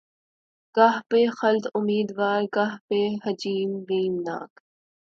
گاہ بہ خلد امیدوار‘ گہہ بہ جحیم بیم ناک